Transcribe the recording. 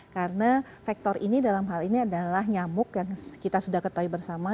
karena faktor ini dalam hal ini adalah nyamuk yang kita sudah ketahui bersama